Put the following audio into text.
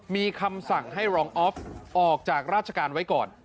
มีคำสั่งให้รองออฟออกจากราชการไว้ก่อน